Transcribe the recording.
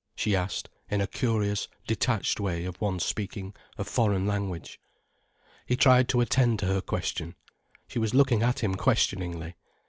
she asked, in a curious detached way of one speaking a foreign language. He tried to attend to her question. She was looking at him questioningly.